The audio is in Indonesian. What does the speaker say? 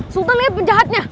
sultan liat penjahatnya